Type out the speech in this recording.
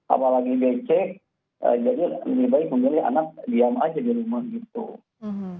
apalagi becek jadi lebih baik memilih anak diam aja di rumah gitu